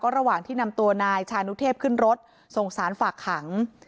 ระหว่างที่นำตัวนายชานุเทพขึ้นรถส่งสารฝากขัง